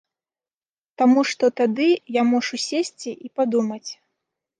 Таму што тады я мушу сесці і падумаць.